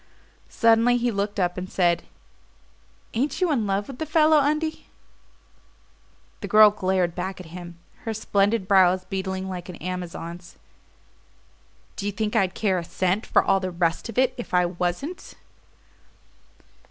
Suddenly he looked up and said: "Ain't you in love with the fellow, Undie?" The girl glared back at him, her splendid brows beetling like an Amazon's. "Do you think I'd care a cent for all the rest of it if I wasn't?"